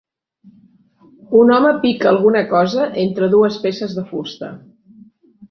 Un home pica alguna cosa entre dues peces de fusta.